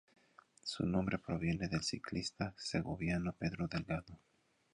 Su nombre proviene del ciclista segoviano Pedro Delgado.